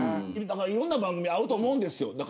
いろんな番組あると思うんです。